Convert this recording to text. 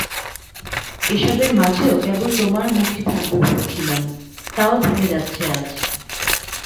এসবের মাঝেও কেবল তোমার মুখটি থাকবে ভেবেছিলাম, তাও ভেঙে যাচ্ছে আজ।